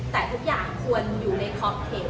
แต่ทุกอย่างควรอยู่ในคอปเท็จ